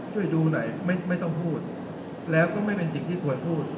ช่วยดูหน่อยไม่ต้องพูดแล้วก็ไม่เป็นสิ่งที่ควรพูด